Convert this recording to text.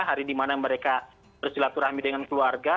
hari di mana mereka bersilaturahmi dengan keluarga